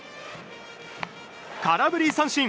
空振り三振！